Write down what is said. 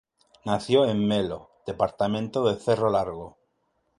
Nació en Melo, departamento de Cerro Largo.